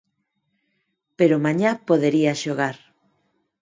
Pero mañá podería xogar.